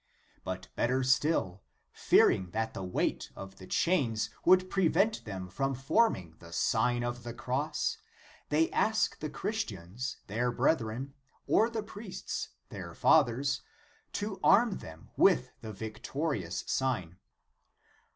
But better still ; fearing that the weight of the chains would prevent them from forming the Sign of the Cross, they ask the Chris tians, their brethren, or the priests, their fathers, to arm them with the victorious sign.